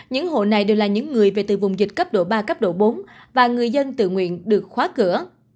những hộ này đều là những người về từ vùng dịch cấp độ ba cấp độ bốn và người dân tự nguyện được khóa cửa